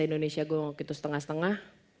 indonesia gue gitu setengah setengah